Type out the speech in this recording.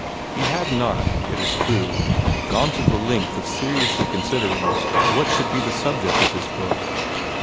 He had not, it is true, gone to the length of seriously considering what should be the subject of his book.